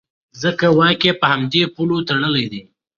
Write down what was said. ځکه واک یې په همدې پولو تړلی دی.